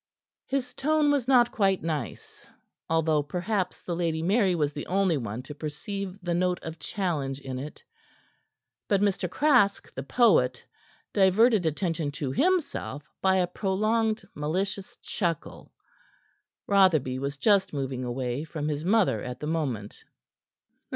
His tone was not quite nice, although perhaps the Lady Mary was the only one to perceive the note of challenge in it. But Mr. Craske, the poet, diverted attention to himself by a prolonged, malicious chuckle. Rotherby was just moving away from his mother at that moment.